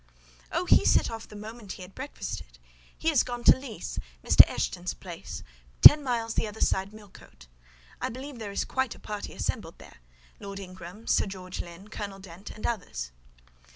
"Oh, he set off the moment he had breakfasted! He is gone to the Leas, Mr. Eshton's place, ten miles on the other side Millcote. I believe there is quite a party assembled there; Lord Ingram, Sir George Lynn, Colonel Dent, and others."